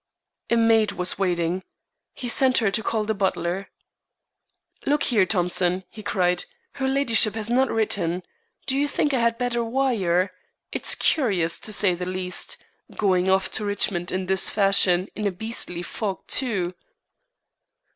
A maid was waiting. He sent her to call the butler. "Look here, Thompson," he cried, "her ladyship has not written. Don't you think I had better wire? It's curious, to say the least, going off to Richmond in this fashion, in a beastly fog, too."